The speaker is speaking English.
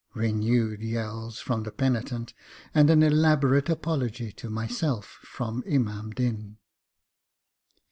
Renewed yells from the penitent, and an elaborate apology to myself from Imam Din.